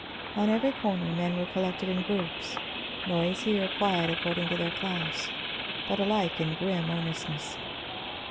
On every corner men were collected in groups, noisy or quiet according to their class, but alike in grim earnestness.